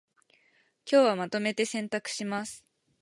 今日はまとめて洗濯します